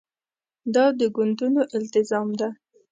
دا د ګوندونو التزام ده.